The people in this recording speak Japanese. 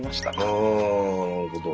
あなるほど。